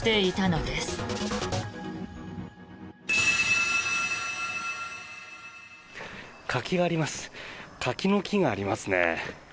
柿の木がありますね。